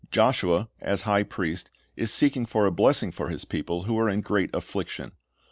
Joshua, as high priest, is seeking for a blessing for his people, who are in great affliction.